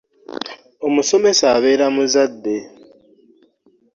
Omusomesa abeera muzaddde.